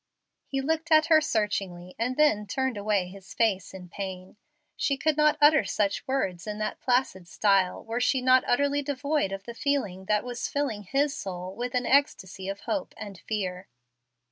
He looked at her searchingly, and then turned away his face in pain. She could not utter such words in that placid style, were she not utterly devoid of the feeling that was filling his soul with an ecstasy of hope and fear.